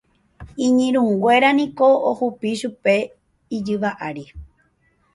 Iñirũnguéra niko ohupi chupe ijyva ári.